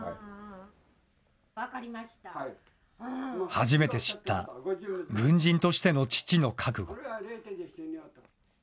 初めて知った軍人としての父の覚悟。